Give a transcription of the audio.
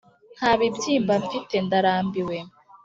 nta bibyimba mfite, ndarambiwe.